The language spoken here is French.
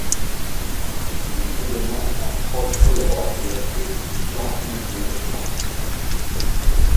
Il est également un proche collaborateur de Jean-Yves Le Drian.